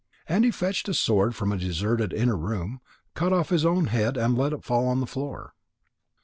And he fetched a sword from a deserted inner room, cut off his own head, and let it fall on the floor.